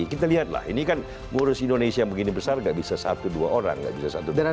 kita lihatlah ini kan ngurus indonesia yang begini besar gak bisa satu dua orang gak bisa satu dua orang